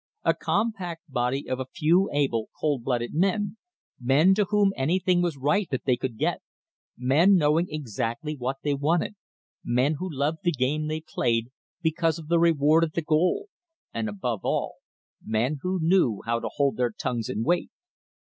A compact body of a few able, cold blooded men — men to whom anything was right that they could get, men knowing exactly what they wanted, men who loved the game they played because of the reward at the goal, and, above all, men who knew how to hold their tongues and wait.